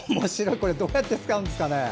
これ、どうやって使うんですか？